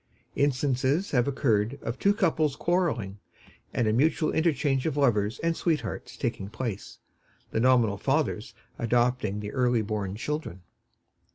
Instances have occurred of two couples quarreling, and a mutual interchange of lovers and sweethearts taking place, the nominal fathers adopting the early born children.